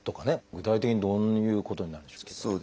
具体的にどういうことなんでしょう？